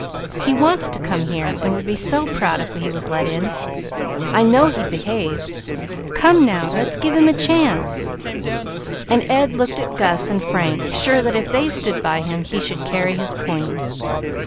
He wants to come here, and would be so proud if he was let in, I know he'd behave. Come now, let's give him a chance," and Ed looked at Gus and Frank, sure that if they stood by him he should carry his point.